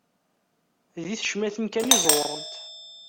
Di tecmatin kan i ẓewrent.